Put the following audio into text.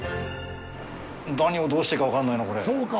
何をどうしていいか、分かんないな、これ。